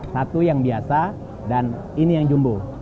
satu yang biasa dan ini yang jumbo